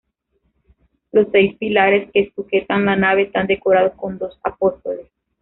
Los seis pilares que sujetan la nave están decorados con dos apóstoles.